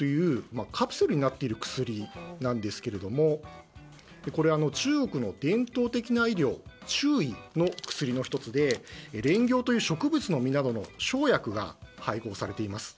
カプセルになっている薬なんですけどもこれは中国の伝統的な医療中医の薬の１つでレンギョウという植物の実の生薬が配合されています。